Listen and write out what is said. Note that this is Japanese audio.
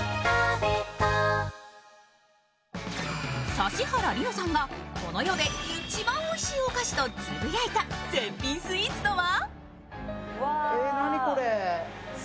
指原莉乃さんがこの世で一番おいしいお菓子とつぶやいた絶品スイーツとは？